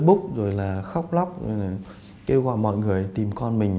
đưa bút rồi là khóc lóc kêu gọi mọi người tìm con mình